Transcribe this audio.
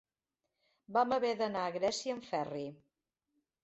Vam haver d'anar a Grècia en ferri.